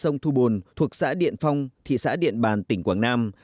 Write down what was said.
sông thu bồn thuộc xã điện phong thị xã điện bàn tỉnh quảng nam